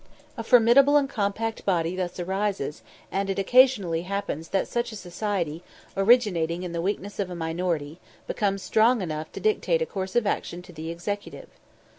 A formidable and compact body thus arises, and it occasionally happens that such a society, originating in the weakness of a minority, becomes strong enough to dictate a course of action to the Executive.